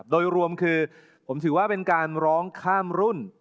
โดยรวมคือผมถือว่าเป็นการร้องข้ามรุ่น